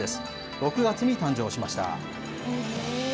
６月に誕生しました。